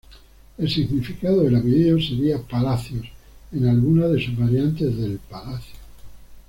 El significado del apellido sería "palacios", o en algunas de sus variantes, "del palacio".